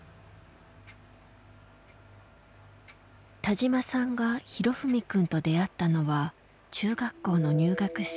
田嶋さんが裕史くんと出会ったのは中学校の入学式。